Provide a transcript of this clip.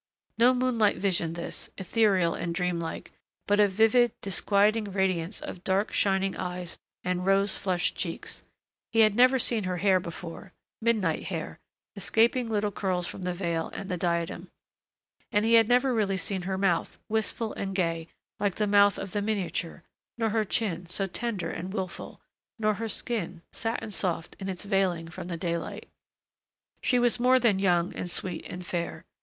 No moonlight vision this, ethereal and dream like, but a vivid, disquieting radiance of dark, shining eyes and rose flushed cheeks. He had never seen her hair before, midnight hair, escaping little curls from the veil and the diadem. And he had never really seen her mouth wistful and gay, like the mouth of the miniature ... nor her chin, so tender and willful ... nor her skin, satin soft, in its veiling from the daylight.... She was more than young and sweet and fair.